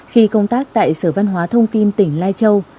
khi công tác tại sở văn hóa thông tin tỉnh lai châu